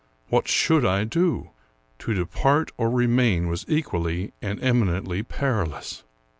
What should I do? To depart or remain was equally and eminently perilous.